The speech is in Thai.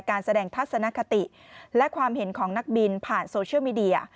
การแสดงทัศนคติและความเห็นของนักบินผ่านโซเชียลมีเดีย